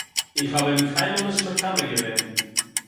איך האב אים קיינמאל נישט מקנא געווען